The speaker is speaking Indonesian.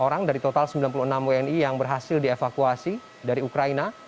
empat puluh orang dari total sembilan puluh enam wni yang berhasil dievakuasi dari ukraina